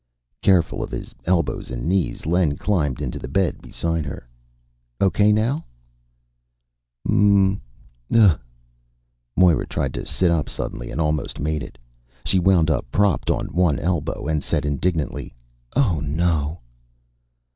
Careful of his elbows and knees, Len climbed into the bed beside her. "Okay now?" "Mm.... Ugh." Moira tried to sit up suddenly, and almost made it. She wound up propped on one elbow, and said indignantly, "Oh, no!"